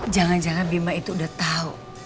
jangan jangan bima itu udah tahu